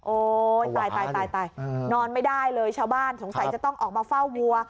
ตายตายนอนไม่ได้เลยชาวบ้านสงสัยจะต้องออกมาเฝ้าวัว